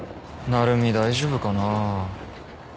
成海大丈夫かなぁ。